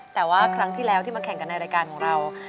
แต่ว่าครั้งที่แล้วที่มาแข่งกันในรายการของเรา